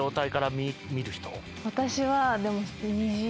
私はでも。